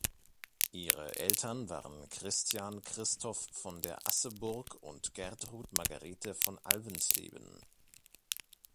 Ihre Eltern waren Christian Christoph von der Asseburg und Gertrud Margarete von Alvensleben.